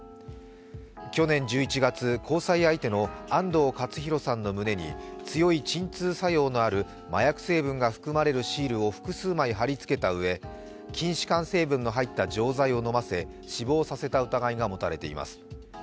去年１１月、交際相手の安藤勝弘さんの胸に強い鎮痛作用のある麻薬成分が含まれるシールを複数枚貼りつけたうえ筋弛緩成分の入った錠剤を飲ませ死亡させた疑いが持たれています。